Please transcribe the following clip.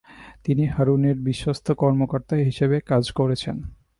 তিনি হারুনের বিশ্বস্থ কর্মকর্তা হিসেবে কাজ করেছেন।